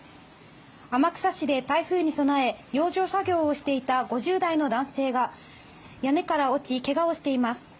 天草市で台風に備え養生作業をしていた５０代の男性が屋根から落ちけがをしています。